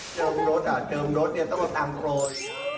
เจิมรถอ่ะเจิมรถเนี่ยต้องก็ตั้งโคลย